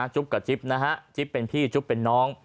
กับจิ๊บนะฮะจิ๊บเป็นพี่จุ๊บเป็นน้อง